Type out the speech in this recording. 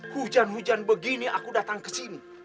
hujan hujan begini aku datang ke sini